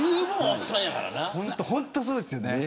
本当にそうですね。